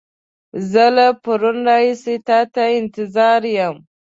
زه له پرون راهيسې تا ته انتظار يم.